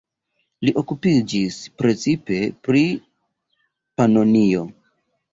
Li okupiĝis precipe pri Panonio.